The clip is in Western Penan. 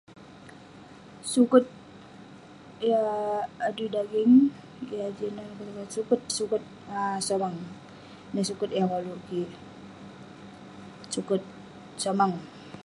Sukat yah [unintelligible] [unintelligible] Suket, suket um Somang. Ineh suket yah koluk kik, Suket Somang.